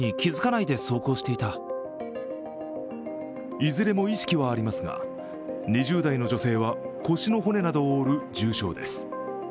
いずれも意識はありますが２０代の女性は腰の骨を折るなどの重傷です。